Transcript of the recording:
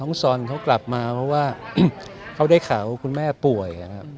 ท้องนางซ่อนกลับมาเพราะว่าได้ข่าวว่าคุณแม่ป่วย